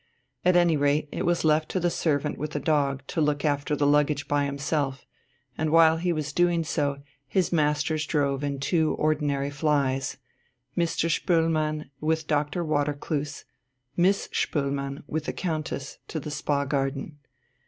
At any rate it was left to the servant with the dog to look after the luggage by himself; and while he was doing so his masters drove in two ordinary flies Mr. Spoelmann with Doctor Watercloose, Miss Spoelmann with the Countess to the Spa Garden.